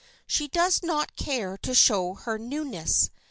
She does not care to show her newness.